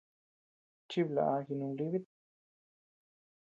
Chiblaʼa jinublibit.